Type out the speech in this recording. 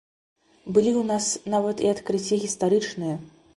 Былі ў нас нават і адкрыцці гістарычныя!